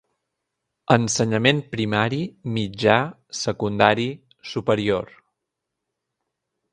Ensenyament primari, mitjà, secundari, superior.